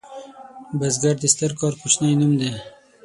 بزګر د ستر کار کوچنی نوم دی